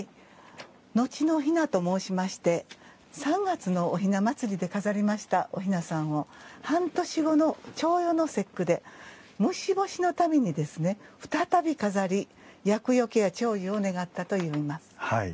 後の雛と申しまして３月のお雛祭りで飾りましたお雛さんを半年後の重陽の節句で虫干しのために再び飾り厄よけや長寿を願ったといいます。